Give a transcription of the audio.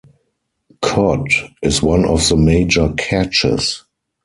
Cod is one of the major catches.